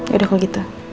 yaudah kalau gitu